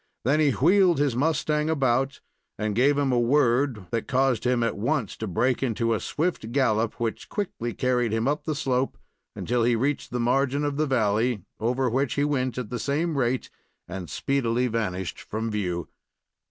Then he wheeled his mustang about, and gave him a word that caused him at once to break into a swift gallop, which quickly carried him up the slope, until he reached the margin of the valley, over which he went at the same rate, and speedily vanished from view.